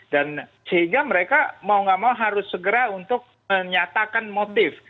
dan sehingga mereka mau nggak mau harus segera untuk menyatakan motif